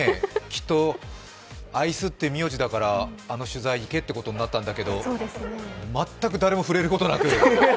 きっとアイスって名字だからあの取材に行けということになったんだけど、全く誰も触れることなく。